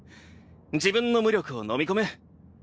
自分の無力をのみ込め。